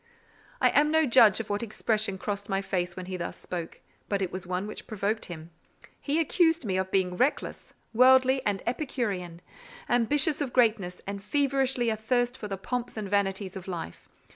I am no judge of what expression crossed my face when he thus spoke, but it was one which provoked him: he accused me of being reckless, worldly, and epicurean; ambitious of greatness, and feverishly athirst for the pomps and vanities of life.